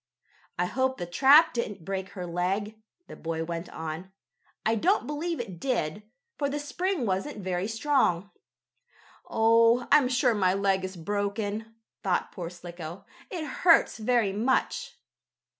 "I hope the trap didn't break her leg," the boy went on. "I don't believe it did, for the spring wasn't very strong." "Oh, I'm sure my leg is broken," thought poor Slicko. "It hurts very much."